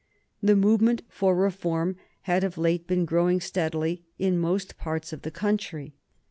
The movement for reform had of late been growing steadily in most parts of the country.